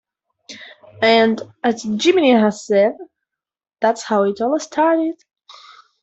And, as Jiminy has said, that's how it all started.